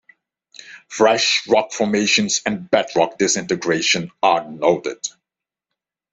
Fresh rock formations and bedrock disintegration are noted.